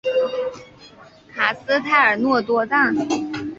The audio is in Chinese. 卡斯泰尔诺多藏。